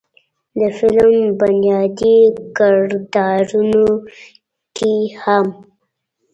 د فلم بنيادي کردارونو کښې هم